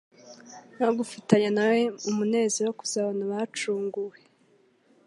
no gufatanya na we umunezero wo kuzabona abacunguwe,